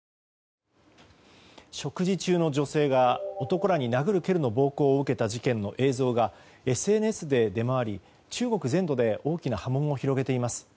食事中の女性が男らに殴る蹴るの暴行を受けた事件の映像が、ＳＮＳで出回り中国全土で大きな波紋を広げています。